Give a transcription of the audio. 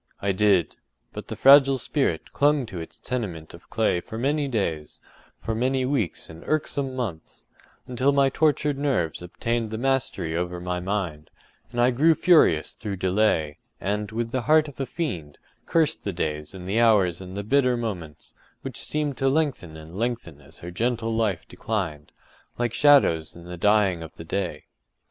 I did; but the fragile spirit clung to its tenement of clay for many days—for many weeks and irksome months, until my tortured nerves obtained the mastery over my mind, and I grew furious through delay, and, with the heart of a fiend, cursed the days and the hours and the bitter moments, which seemed to lengthen and lengthen as her gentle life declined—like shadows in the dying of the day.